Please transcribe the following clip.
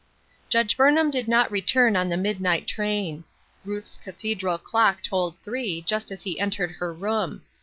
Judge Burnham did not return on the midnight train. Ruth's cathedral clock tolled three just as he entered her room.